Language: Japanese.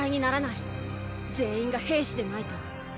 全員が兵士でないと。